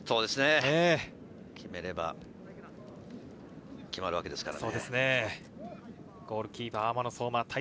決めれば、決まるわけですからね。